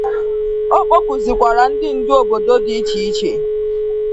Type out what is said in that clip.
Ọ kpọkùzịkwara ndị ndu obodo dị iche iche